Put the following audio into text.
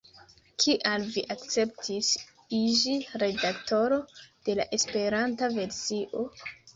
Kial vi akceptis iĝi redaktoro de la Esperanta versio?